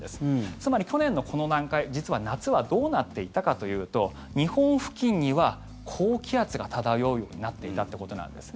つまり去年のこの段階実は夏はどうなっていたかというと日本付近には高気圧が漂うようになっていたということなんです。